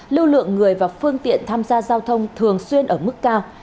lưu lượng người và phương tiện tham gia giao thông thường xuyên ở mức cao